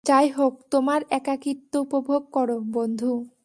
যাইহোক, তোমার একাকীত্ব উপভোগ করো, বন্ধু।